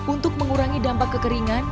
untuk mengurangi dampak kekeringan